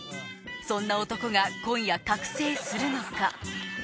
そんな男が今夜覚醒するのか？